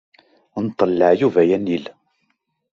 Nṭel leɛyub, ay anil.